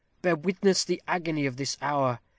Bear witness the agony of this hour.